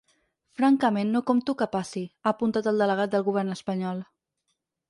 Francament, no compto que passi, ha apuntat el delegat del govern espanyol.